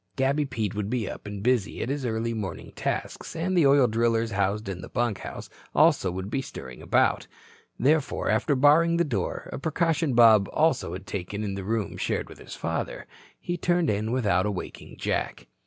Gabby Pete would be up and busy at his early morning tasks, and the oil drillers housed in the bunkhouse also would be stirring about. Therefore, after barring the door, a precaution Bob also had taken in the room shared with his father, he turned in without awaking Jack.